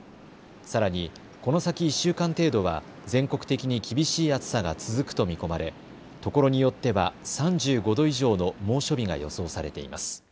さらに、この先１週間程度は全国的に厳しい暑さが続くと見込まれ、ところによっては３５度以上の猛暑日が予想されています。